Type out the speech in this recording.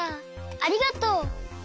ありがとう。